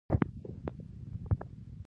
استبداد د خلکو د ناپوهۍ محصول دی.